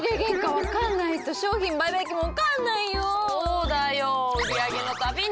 そうだよ。